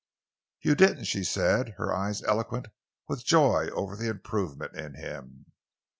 "You didn't," she said, her eyes eloquent with joy over the improvement in him.